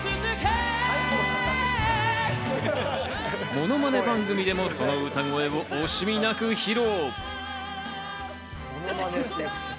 ものまね番組でも、その歌声を惜しみなく披露。